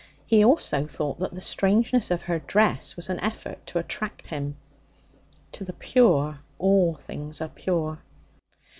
He also thought that the strangeness of her dress was an effort to attract him. To the pure all things are pure.